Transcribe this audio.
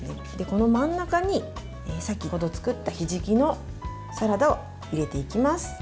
この真ん中に先ほど作ったひじきのサラダを入れていきます。